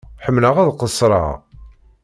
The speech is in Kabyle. Ḥemmleɣ ad qessreɣ.